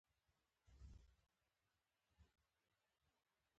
برېټانوي استعمار زبېښونکي بنسټونه رامنځته کړل.